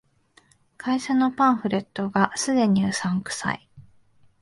会社のパンフレットが既にうさんくさい